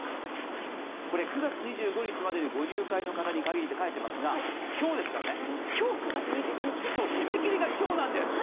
９月２５日までにご入会の方に限りと書いていますけど、今日ですからね、締め切りが今日なんです。